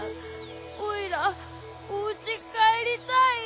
おいらおうちかえりたいよ。